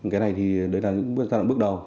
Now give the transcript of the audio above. cái này là những giai đoạn bước đầu